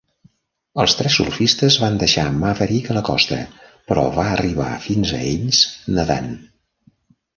Els tres surfistes van deixar Maverick a la costa, però va arribar fins a ells nedant.